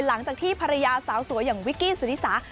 หลังจากที่ภรรยาสาวสวยอย่างวิกกี้สุนิสา